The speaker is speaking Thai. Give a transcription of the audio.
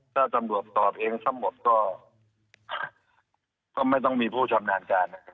ถ้าจำนวบตอบเองทั้งหมดก็ไม่ต้องมีผู้จำนานการ